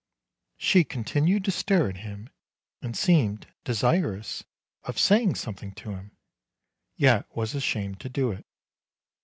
She continued to stare at him, and seemed desirous of saying something to him, yet was ashamed to do it.